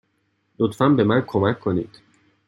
لطفا به من کمک کنید.